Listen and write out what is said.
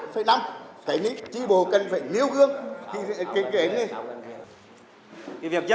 thế nên tri bộ cần phải níu gương